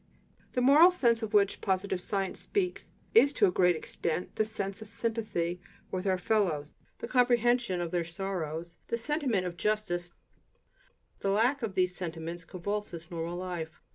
The "moral sense" of which positive science speaks is to a great extent the sense of sympathy with our fellows, the comprehension of their sorrows, the sentiment of justice: the lack of these sentiments convulses normal life.